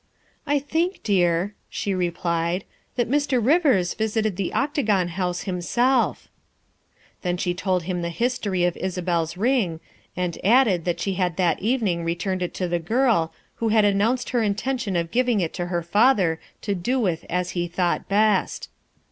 " I think, dear," she replied, " that Mr. Rivers vis ited the Octagon House himself." THE SECRETARY OF STATE 337 Then she told him the history of Isabel's ring, and added that she had that evening returned it to the girl, who had announced her intention of giving it to her father to do with as he thought best.